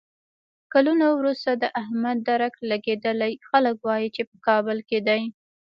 کلونه ورسته د احمد درک لګېدلی، خلک وایي چې په کابل کې دی.